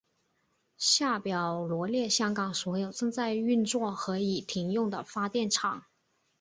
下表罗列香港所有正在运作和已停用的发电厂。